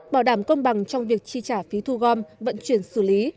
bảo đảm công bằng trong việc chi trả phí thu gom vận chuyển xử lý